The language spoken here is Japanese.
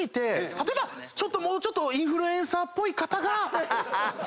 例えばもうちょっとインフルエンサーっぽい方がポスター。